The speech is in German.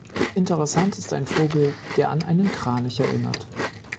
Interessant ist ein Vogel, der an einen Kranich erinnert.